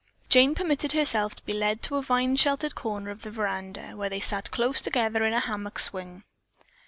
Jane permitted herself to be led to a vine sheltered corner of the veranda, where they sat close together in a hammock swing.